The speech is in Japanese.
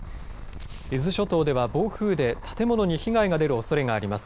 伊豆諸島では暴風で建物に被害が出るおそれがあります。